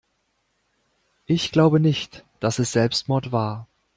Ich glaube nicht, dass es Selbstmord war.